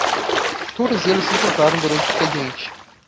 Todos eles se encontraram durante o expediente.